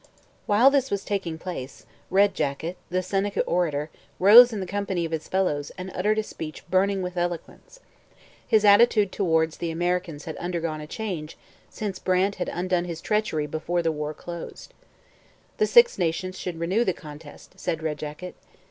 While this was taking place, Red Jacket, the Seneca orator, rose in the company of his fellows and uttered a speech burning with eloquence. His attitude towards the Americans had undergone a change since Brant had undone his treachery before the war had closed. The Six Nations should renew the contest, said Red Jacket.